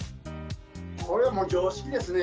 これはもう常識ですね。